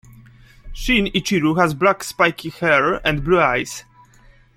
Shin-ichirou has black spiky hair and blue eyes.